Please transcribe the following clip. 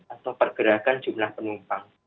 atau pergerakan jumlah penumpang